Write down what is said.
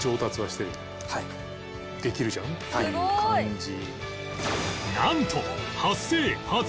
できるじゃんっていう感じ。